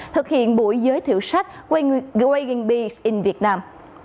thực hiện buổi giới thiệu sách wagon bees in vietnam